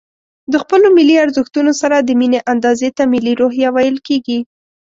د خپلو ملي ارزښتونو سره د ميني اندازې ته ملي روحيه ويل کېږي.